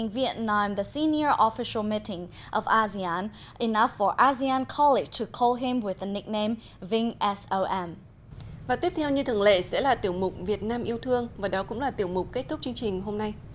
và tiếp theo như thường lệ sẽ là tiểu mục việt nam yêu thương và đó cũng là tiểu mục kết thúc chương trình hôm nay